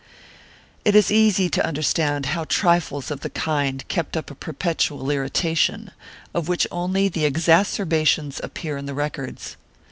1 It is easy to understand how trifles of the kind kept up a perpetual irritation, of which only the exacerbations appear in the records.